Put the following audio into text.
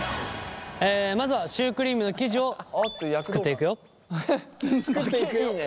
まずはシュークリームの生地を作っていくよ。いいね。